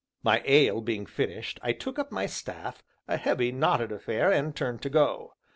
My ale being finished, I took up my staff, a heavy, knotted affair, and turned to go.